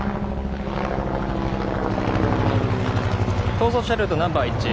逃走車両とナンバー一致